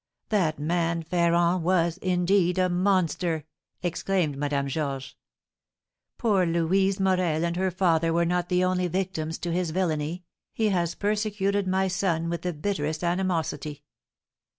"That man Ferrand was, indeed, a monster!" exclaimed Madame Georges; "poor Louise Morel and her father were not the only victims to his villainy, he has persecuted my son with the bitterest animosity."